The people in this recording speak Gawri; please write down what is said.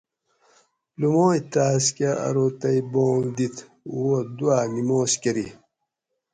لُومائ تاۤس کہ ارو تئ بانگ دِت وو دُوا نماز کری